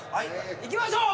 いきましょう！